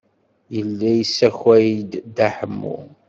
Yella yessakay-d Dda Ḥemmu.